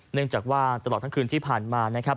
เนื่องจากว่าตลอดทั้งคืนที่ผ่านมานะครับ